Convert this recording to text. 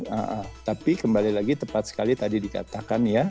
nah tapi kembali lagi tepat sekali tadi dikatakan ya